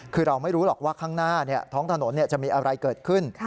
คือเราไม่รู้หรอกว่าข้างหน้าท้องถนนจะมีอะไรเกิดขึ้น